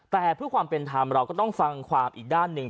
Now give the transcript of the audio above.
แต่เพื่อความเป็นธรรมเราก็ต้องฟังความอีกด้านหนึ่ง